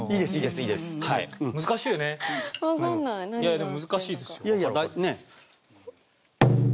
でも難しいですよ。